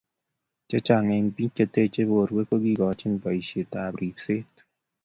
chechang' eng' biikmche teche borwek ko kikochini boisietab ribset